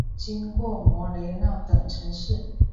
经过莫雷纳等城市。